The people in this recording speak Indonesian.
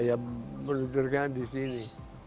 ya meluncurkan di sini